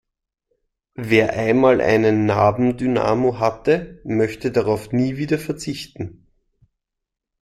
Wer einmal einen Nabendynamo hatte, möchte darauf nie wieder verzichten.